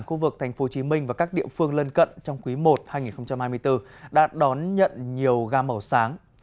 khu vực tp hcm và các địa phương lân cận trong quý i hai nghìn hai mươi bốn đã đón nhận nhiều ga màu sáng